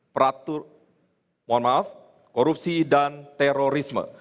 peraturan mohon maaf korupsi dan terorisme